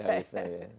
nggak bisa ya